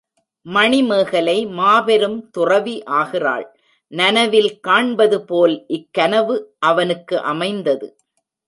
மணிமேகலை மாபெரும் துறவி ஆகிறாள் நனவில் காண்பது போல் இக்கனவு அவனுக்கு அமைந்தது.